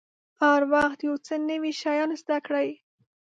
هر وخت یو څه نوي شیان زده کړئ.